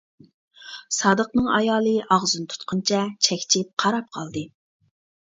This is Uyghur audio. سادىقنىڭ ئايالى ئاغزىنى تۇتقىنىچە چەكچىيىپ قاراپ قالدى.